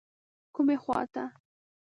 کومې خواته.